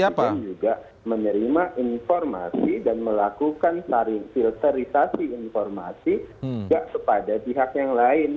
pak presiden juga menerima informasi dan melakukan filterisasi informasi kepada pihak yang lain